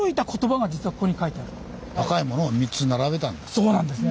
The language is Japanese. そうなんですね。